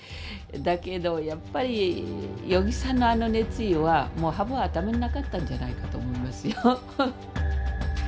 だけどやっぱり与儀さんのあの熱意はハブは頭になかったんじゃないかと思いますよ。